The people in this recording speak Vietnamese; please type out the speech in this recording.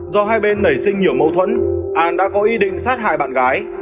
do hai bên nảy sinh nhiều mâu thuẫn an đã có ý định sát hại bạn gái